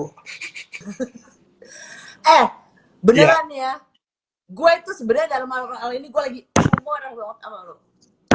eh beneran ya gue itu sebenarnya dalam hal hal ini gue lagi semua orang yang ngomong sama lo